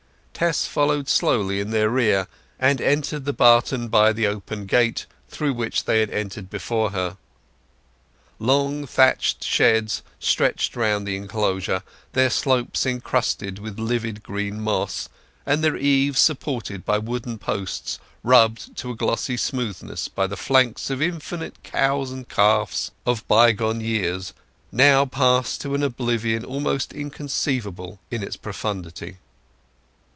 Tess followed slowly in their rear, and entered the barton by the open gate through which they had entered before her. Long thatched sheds stretched round the enclosure, their slopes encrusted with vivid green moss, and their eaves supported by wooden posts rubbed to a glossy smoothness by the flanks of infinite cows and calves of bygone years, now passed to an oblivion almost inconceivable in its profundity.